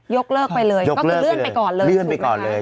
ยกเลิกไปเลยก็คือเลื่อนไปก่อนเลย